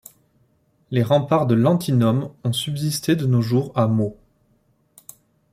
Les remparts de Lantinum ont subsisté de nos jours à Meaux.